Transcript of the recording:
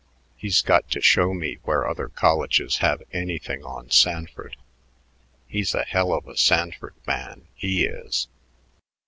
He's got to show me where other colleges have anything on Sanford. He's a hell of a Sanford man, he is."